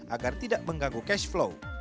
agar tidak mengganggu cash flow